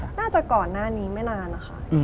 อเรนนี่น่าจะก่อนหน้านี้ไม่นานอะค่ะ